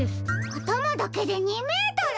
あたまだけで２メートル！？